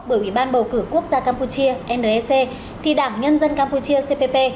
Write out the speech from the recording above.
bởi ủy ban bầu cử quốc gia campuchia nec thì đảng nhân dân campuchia cpp